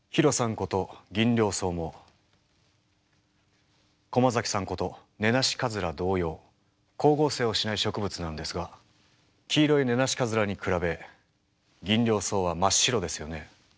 ことギンリョウソウも駒崎さんことネナシカズラ同様光合成をしない植物なんですが黄色いネナシカズラに比べギンリョウソウは真っ白ですよね。